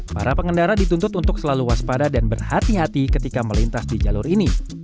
para pengendara dituntut untuk selalu waspada dan berhati hati ketika melintasi